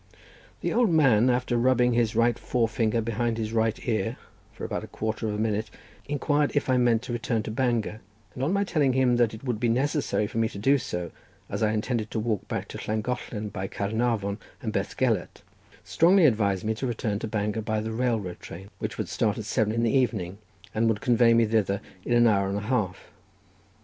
The old man, after rubbing his right forefinger behind his right ear for about a quarter, of a minute, inquired if I meant to return to Bangor, and on my telling him that it would be necessary for me to do so, as I intended to walk back to Llangollen by Caernarvon and Beth Gelert, strongly advised me to return to Bangor by the railroad train, which would start at seven in the evening, and would convey me thither in an hour and a half.